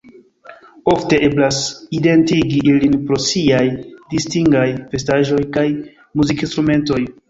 Ofte eblas identigi ilin pro siaj distingaj vestaĵoj kaj muzikinstrumentoj.